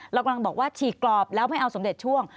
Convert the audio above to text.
เรากำลังบอกว่าฉีกกรอบแล้วไม่เอาสมเด็จช่วง